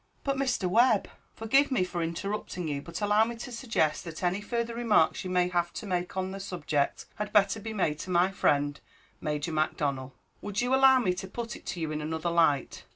"But, Mr. Webb " "Forgive me for interrupting you, but allow me to suggest that any further remarks you may have to make on the subject had better be made to my friend, Major Macdonnel." "Would you allow me to put it to you in another light?